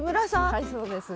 はいそうです。